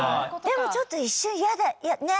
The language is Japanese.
でもちょっと一瞬嫌だねっ。